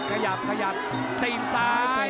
ขยับขยับตีนซ้าย